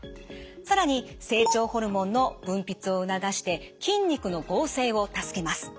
更に成長ホルモンの分泌を促して筋肉の合成を助けます。